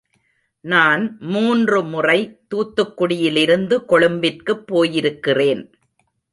நான் மூன்று முறை தூத்துக்குடியிலிருந்து கொழும்பிற்குப் போயிருக்கிறேன்.